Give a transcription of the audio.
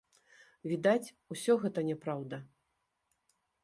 Відаць, усё гэта няпраўда.